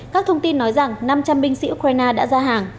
các thông tin nói rằng năm trăm linh binh sĩ ukraine đã ra hàng